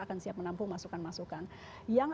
akan siap menampung masukan masukan yang